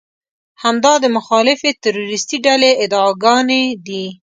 همدا د مخالفې تروريستي ډلې ادعاګانې دي.